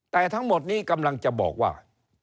แต่ทั้งหมดนี้กำลังจะบอกว่า